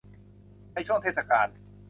ในช่วงเทศกาล